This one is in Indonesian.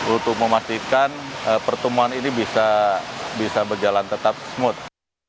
untuk memastikan pertemuan ini bisa berjalan tetap smooth